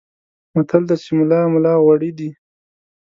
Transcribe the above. متل دی چې ملا ملا غوړي دي.